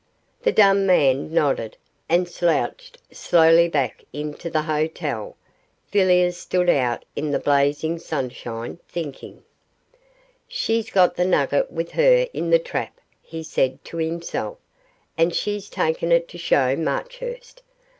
The dumb man nodded and slouched slowly back into the hotel. Villiers stood out in the blazing sunshine, thinking. 'She's got the nugget with her in the trap,' he said to himself; 'and she's taken it to show Marchurst.